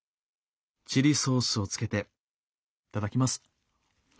チリソースをつけていただきます。